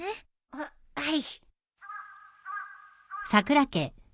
はっはい。